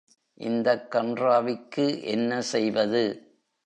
இந்தக் கண்றாவிக்கு என்ன செய்வது?